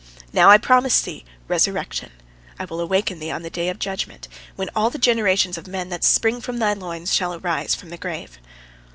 Now I promise thee resurrection. I will awaken thee on the day of judgment, when all the generations of men that spring from thy loins, shall arise from the grave."